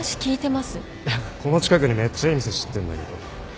この近くにめっちゃいい店知ってんだけど。